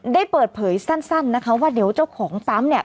ได้เปิดเผยสั้นนะคะว่าเดี๋ยวเจ้าของปั๊มเนี่ย